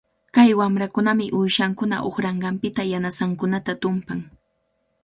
Kay wamrakunami uyshankuna uqranqanpita yanasankunata tumpan.